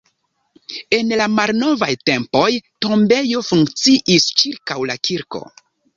En la malnovaj tempoj tombejo funkciis ĉirkaŭ la kirko.